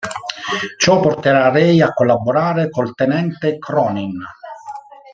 Ciò, porterà Ray a collaborare col tenente Cronin.